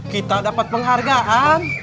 kita dapat penghargaan